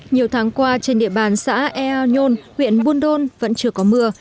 nhiều tháng qua trên địa bàn xã eo nhôn huyện buôn đôn vẫn chưa có mưa